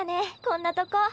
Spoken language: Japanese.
こんなとこ。